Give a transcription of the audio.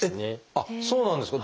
あっそうなんですか？